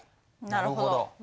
なるほど。